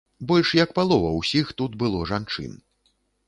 Больш як палова ўсіх тут было жанчын.